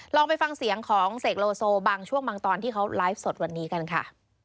ลองไปฟังเสียงของเสกโลโซบางช่วงบางตอนที่เขาไลฟ์สดวันนี้กันค่ะ